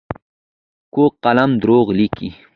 کوږ قلم دروغ لیکي